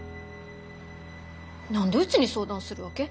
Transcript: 何でうちに相談するわけ？